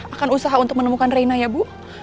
akan usaha untuk menemukan reina ya bu